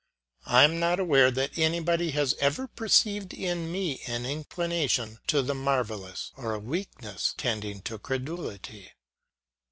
I am not aware that anybody has ever perceived in me an inclination to the marvellous, or a weakness tending to credulity.